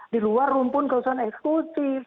di luar rumpun kawasan eksklusif